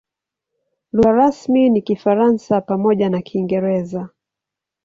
Lugha rasmi ni Kifaransa pamoja na Kiingereza.